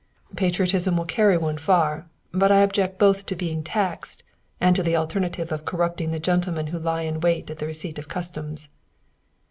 "Patriotism will carry one far; but I object both to being taxed and to the alternative of corrupting the gentlemen who lie in wait at the receipt of customs."